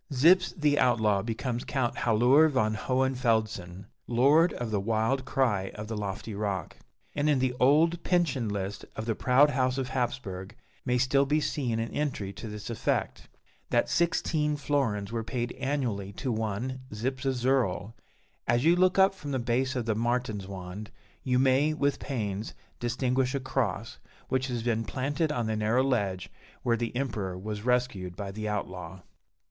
Zyps, the outlaw, becomes Count Hallooer von Hohenfeldsen "Lord of the wild cry of the lofty rock;" and in the old pension list of the proud house of Hapsburg may still be seen an entry to this effect: that sixteen florins were paid annually to one "Zyps of Zirl." As you look up from the base of the Martinswand, you may, with pains, distinguish a cross, which has been planted on the narrow ledge where the Emperor was rescued by the outlaw.